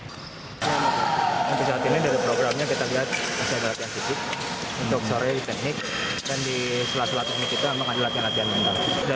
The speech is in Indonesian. untuk saat ini dari programnya kita lihat ada latihan fisik untuk sore teknik dan di selat selat ini kita akan dilatihkan latihan rendah